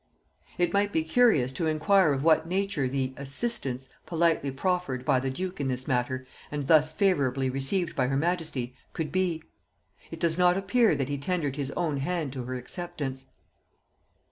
] It might be curious to inquire of what nature the assistance politely proffered by the duke in this matter, and thus favorably received by her majesty, could be; it does not appear that he tendered his own hand to her acceptance.